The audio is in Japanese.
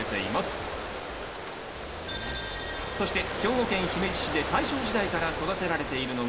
そして兵庫県姫路市で大正時代から育てられているのが網干メロン。